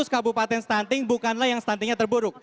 seratus kabupaten stunting bukanlah yang stuntingnya terburuk